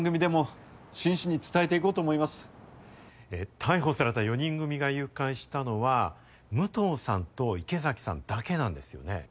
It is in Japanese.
逮捕された４人組が誘拐したのは武藤さんと池崎さんだけなんですよね。